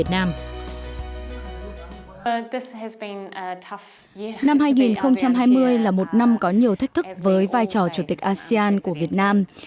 năm hai nghìn hai mươi là một năm có nhiều thách thức với vai trò chủ tịch asean của việt nam